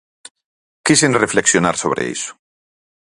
Quixen reflexionar sobre iso.